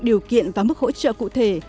điều kiện và mức hỗ trợ cụ thể